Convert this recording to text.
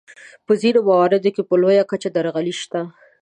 په ځینو مواردو کې په لویه کچه درغلۍ شته.